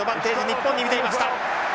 日本に見ていました。